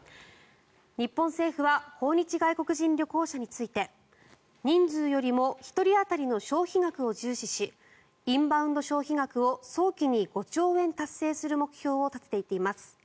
日本政府は訪日外国人旅行者について人数よりも１人当たりの消費額を重視しインバウンド消費額を早期に５兆円達成する目標を立てています。